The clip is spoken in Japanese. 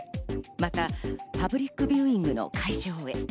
またパブリックビューイングの会場へ。